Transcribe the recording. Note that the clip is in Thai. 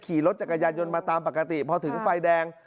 ขี่รถจักรยานยนต์มาตามปกติพอถึงไฟแดง